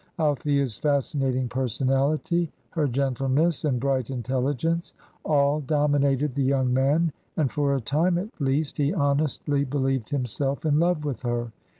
Althea's fascinating personality, her gentleness and bright intelligence, all dominated the young man, and for a time at least he honestly believed himself in love with her.